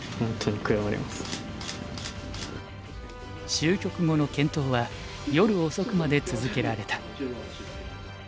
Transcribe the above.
終局後の検討は夜遅くまで続けられた。